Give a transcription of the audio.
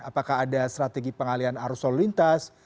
apakah ada strategi pengalian arus lalu lintas